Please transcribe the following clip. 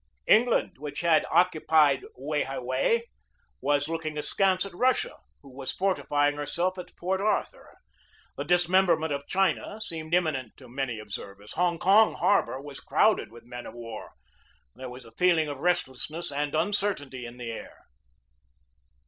England, which had occupied Wei hai wei, was looking askance at Russia, who was fortifying herself at Port Arthur. The dismemberment of China seemed imminent to many observers. Hong Kong harbor was crowded with men of war; there was a feeling of restlessness and uncertainty in the air.